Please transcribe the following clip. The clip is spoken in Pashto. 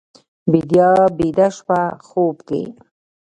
بیدیا بیده شوه خوب کې